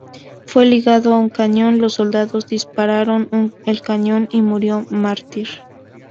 Fue ligado a un cañón, los soldados dispararon el cañón y murió mártir.